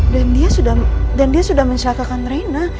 dan dia sudah dan dia sudah mensyakakan reyna